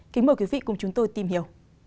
kính mời quý vị cùng chúng tôi tìm hiểu